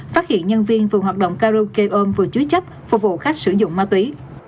phát hiện nhân viên vùng hoạt động karaoke ôm vừa chú chấp phục vụ khách sử dụng ma túy